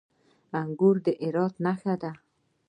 انګور د هرات نښه ده.